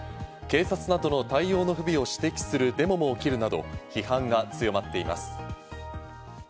警察などの対応の不備を指摘するデモも起きるなど、批判が強まっています。